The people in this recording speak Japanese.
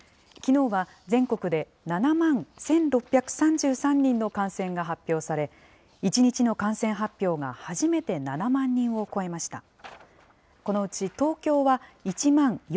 きのうは、全国で７万１６３３人の感染が発表され、１日の感染発表が初めて７万人を超えました。